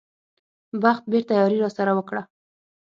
بخت بېرته یاري راسره وکړه.